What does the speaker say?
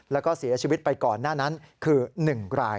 แล้วก็เสียชีวิตไปก่อนหน้านั้นคือ๑ราย